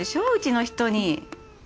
うちの人に。